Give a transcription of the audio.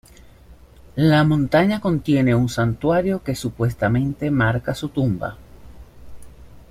La montaña contiene un santuario que supuestamente marca su tumba.